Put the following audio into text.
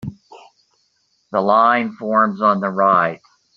The line forms on the right.